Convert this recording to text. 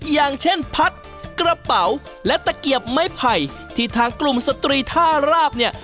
อย่างเช่นพัดกระเป๋าและตะเกียบไม้ไผ่ที่ทางกลุ่มสตรีท่าราบเนี่ย